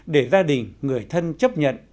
để gia đình người thân chấp nhận